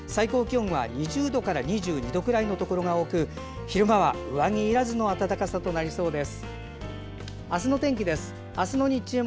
最高気温は２０度から２２度くらいのところが多く昼間は上着いらずの暖かさとなりそうです。